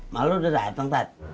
malu udah dateng tat